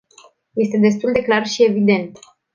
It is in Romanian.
Este destul de clar și evident.